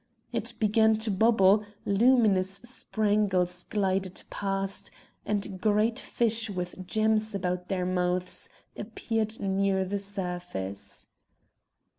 It began to bubble, luminous spangles glided past, and great fish with gems about their mouths, appeared near the surface.